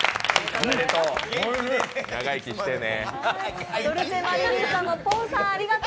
長生きしてね。